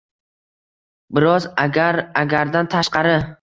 Biroz agar-agardan tashqari